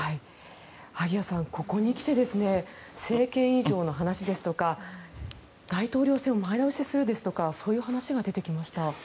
萩谷さん、ここに来て政権移譲の話ですとか大統領選を前倒しするとかそういう話が出てきました。